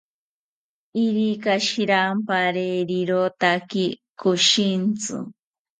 Irika shirampari rirotaki koshintzi